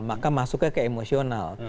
maka masuknya ke emosional